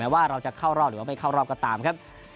ว่าเราจะเข้ารอบหรือว่าไม่เข้ารอบก็ตามครับ